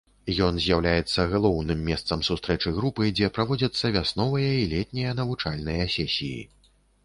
Ён з'яўляецца галоўным месцам сустрэчы групы, дзе праводзяцца вясновыя і летнія навучальныя сесіі.